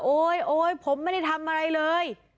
โอ๊ยโอ๊ยผมไม่ได้ทำอะไรเลย